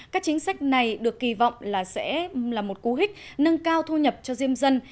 các chính sách này được kỳ vọng là sẽ là một cú hích nâng cao thu nhập cho diêm dân